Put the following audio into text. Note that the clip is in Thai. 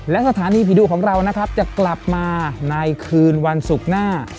และสถานีผีดุของเรานะครับจะกลับมาในคืนวันศุกร์หน้า